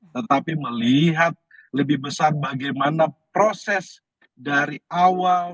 tetapi melihat lebih besar bagaimana proses dari awal